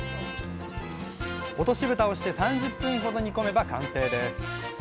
落とし蓋をして３０分ほど煮込めば完成です。